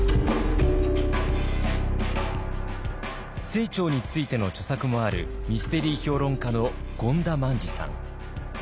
清張についての著作もあるミステリー評論家の権田萬治さん。